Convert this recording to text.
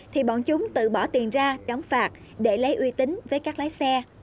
thì bọn chúng tự bỏ tiền ra đóng phạt để lấy uy tín với các lái xe